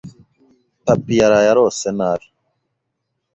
Papi yaraye arose nabi.